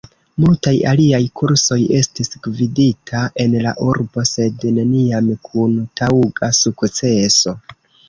Multaj aliaj kursoj estis gvidita en la urbo, sed neniam kun taŭga sukceso.